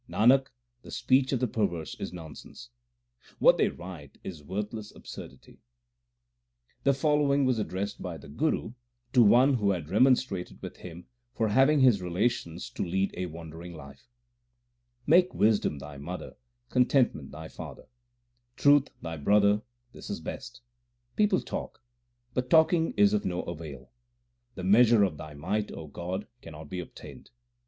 Nanak, the speech of the perverse is nonsense ; What they write is worthless absurdity. HYMNS OF GURU NANAK 291 The following was addressed by the Guru to one who had remonstrated with him for having left his relations to lead a wandering life : Make wisdom thy mother, contentment thy father, Truth thy brother this is best. People talk, but talking is of no avail. The measure of Thy might, O God, cannot be obtained.